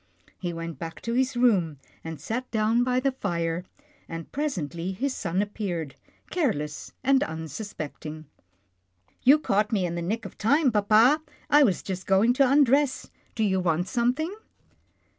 He went back to his room, and sat down by the fire, and presently his son appeared, careless and unsuspecting. " You caught me in the nick of time, papa, I was just going to undress. Do you want some thing?"